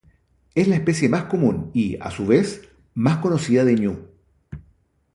Es la especie más común y, a su vez, más conocida de ñu.